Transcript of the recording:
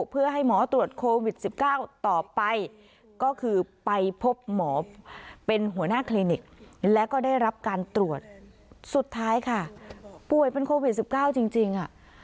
ป่วยเป็นโควิด๑๙จริง